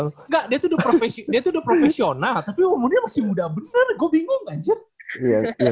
enggak dia tuh udah profesional tapi umurnya masih muda bener gua bingung anjir